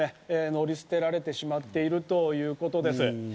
乗り捨てられてしまっているということです。